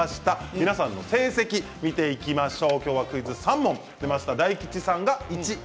皆さんの成績、見てみましょう。